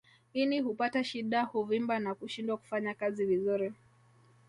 Ini hupata shida huvimba na kushindwa kufanya kazi vizuri